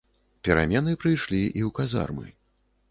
Перамены прыйшлі і ў казармы.